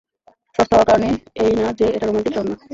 সস্তা হওয়ার কারণে এই না যে এটা রোমান্টিক শহর না।